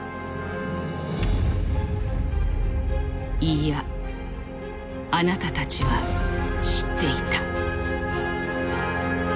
「いいやあなたたちは知っていた」。